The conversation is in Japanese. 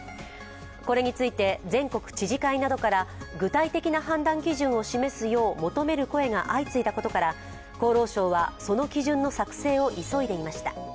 これについて、全国知事会などから具体的な判断基準を示すよう求める声が相次いだことから厚労省は、その基準の作成を急いでいました。